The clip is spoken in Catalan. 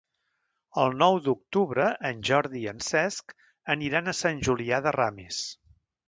El nou d'octubre en Jordi i en Cesc aniran a Sant Julià de Ramis.